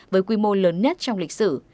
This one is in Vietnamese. với quy mô lớn nhất trong lịch sử